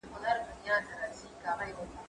ته ولي کالي وچوې